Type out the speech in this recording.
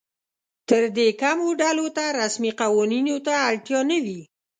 تر دې کمو ډلو ته رسمي قوانینو ته اړتیا نه وي.